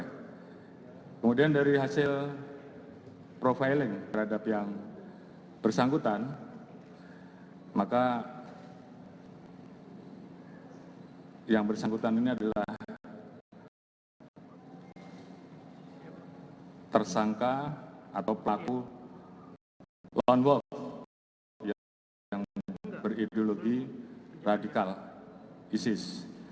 kemudian dari hasil profiling terhadap yang bersangkutan maka yang bersangkutan ini adalah tersangka atau pelaku lone wolf yang berideologi radikal isis